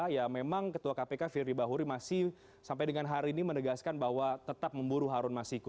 ya memang ketua kpk firly bahuri masih sampai dengan hari ini menegaskan bahwa tetap memburu harun masiku